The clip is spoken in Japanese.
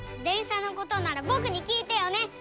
でんしゃのことならぼくにきいてよね。